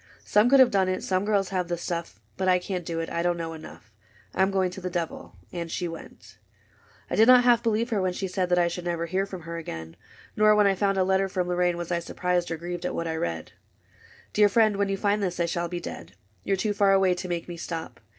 Some could have done it — some girls have the stuff; But I can't do it : I don't know enough. I 'm going to the devil." — And she went. II I did not half believe her when she said That I should never hear from her again \ 122 THE GROWTH OF " LORRAINE '• Nor when I found a letter from Lorraine, Was I surprised or grieved at what I read :^^ Dear friend, when you find this, I shall be dead. You are too far away to make me stop.